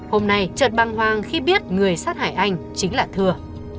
hôm nay trật băng hoang khi biết người sát hại anh chính là thưa